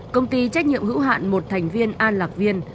công ty trách nhiệm hữu hạn một thành viên an lạc viên